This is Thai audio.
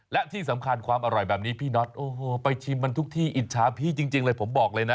และที่สำคัญความอร่อยแบบนี้พี่น็อตโอ้โหไปชิมมันทุกที่อิจฉาพี่จริงเลยผมบอกเลยนะ